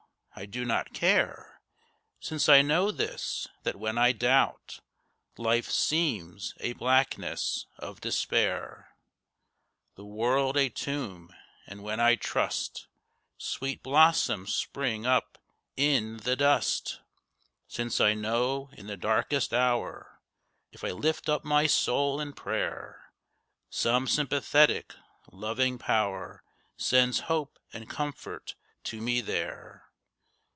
I do not care, Since I know this, that when I doubt, Life seems a blackness of despair, The world a tomb; and when I trust, Sweet blossoms spring up in the dust. Since I know in the darkest hour, If I lift up my soul in prayer, Some sympathetic, loving Power Sends hope and comfort to me there.